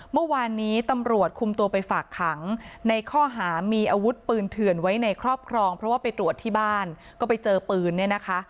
เมื่อวานนี้ตำรวจคุมตัวไปฝากขังในข้อหามีอาวุธปืนเถื่อนไว้ในครอบครองเพราะว่าไปตรวจที่บ้านก็ไปเจอปืนเนี่ยนะคะ